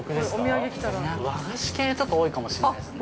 和菓子系とか多いかもしんないですね。